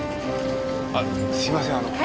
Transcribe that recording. あっすいません。